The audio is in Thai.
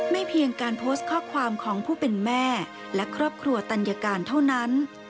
เพียงการโพสต์ข้อความของผู้เป็นแม่และครอบครัวตัญการเท่านั้น